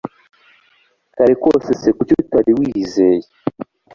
Karekosese kuki utari wiyiziye